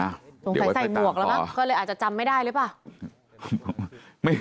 อ๋อหรอค่ะตรงใส่หมวกแล้วป่ะก็เลยอาจจะจำไม่ได้หรือเปล่า